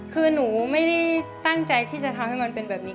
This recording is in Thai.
คือหนูไม่ได้ตั้งใจที่จะทำให้มันเป็นแบบนี้